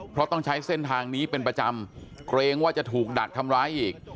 เพราะต้องใช้เส้นทางนี้เป็นประจำเกรงว่าจะถูกดักทำร้ายอีก